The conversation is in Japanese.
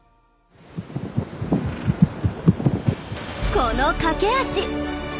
この駆け足！